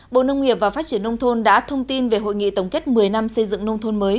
bộ nông nghiệp và phát triển nông thôn đã thông tin về hội nghị tổng kết một mươi năm xây dựng nông thôn mới